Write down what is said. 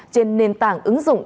trên nền tảng ứng dụng